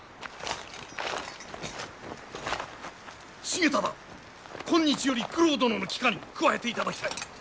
重忠今日より九郎殿のき下に加えていただきたい。